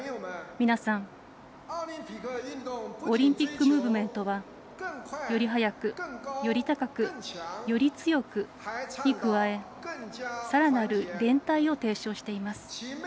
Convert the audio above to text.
皆さんオリンピックムーブメントは「より速く、より高く、より強く、共に」に加えさらなる連帯を提唱しています。